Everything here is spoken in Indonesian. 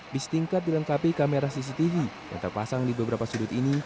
bis tingkat dilengkapi kamera cctv yang terpasang di beberapa sudut ini